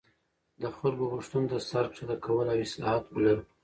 د خلکو غوښتنو ته سر ښکته کول او اصلاحات بلل.